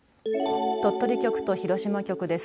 鳥取局と広島局です。